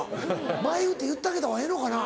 「まいう」って言ってあげたほうがええのかな？